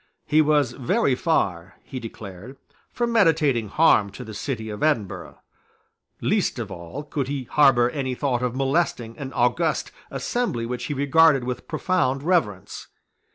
He was very far, he declared, from meditating harm to the City of Edinburgh. Least of all could he harbour any thought of molesting an august assembly which he regarded with profound reverence.